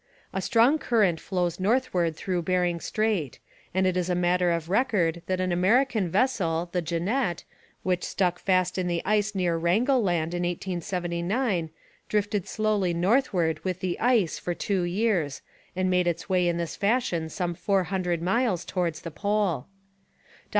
A strong current flows northward through Bering Strait, and it is a matter of record that an American vessel, the Jeanette, which stuck fast in the ice near Wrangel Land in 1879, drifted slowly northward with the ice for two years, and made its way in this fashion some four hundred miles towards the Pole.